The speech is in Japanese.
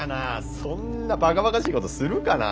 そんなばかばかしいことするかな。